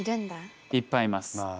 いっぱいいます。